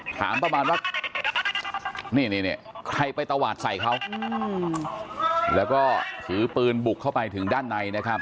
ถามประมาณว่านี่ใครไปตวาดใส่เขาแล้วก็ถือปืนบุกเข้าไปถึงด้านในนะครับ